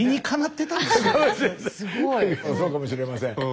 そうかもしれません。